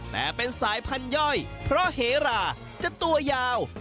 แต่เป็นสายพันธย่อยเพราะเหราจะตัวยาว